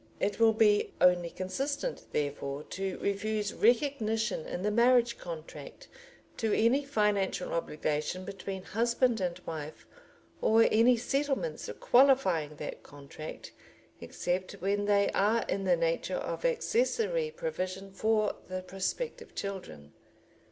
It will be only consistent, therefore, to refuse recognition in the marriage contract to any financial obligation between husband and wife, or any settlements qualifying that contract, except when they are in the nature of accessory provision for the prospective children.